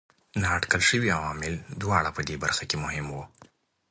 نااټکل شوي عوامل دواړه په دې برخه کې مهم وو.